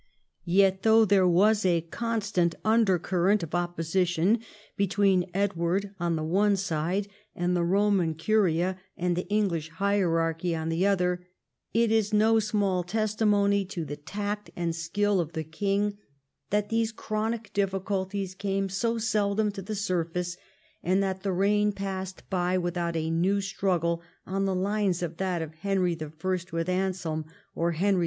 Yet though there Avas a constant undercurrent of opposition between Edward on the one side, and the Roman Curia and the English hierarchy on the other, it is no small testimony to the tact and skill of the king that these chronic difficulties came so seldom to the surface, and that the reign passed by without a new struggle on the lines of that of Henry I. with Anselm or Henry II.